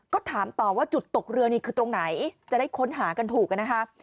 ก็ถามต่อว่าจุดตกเรือนี่คือตรงไหนจะได้ค้นหากันถูกนะคะ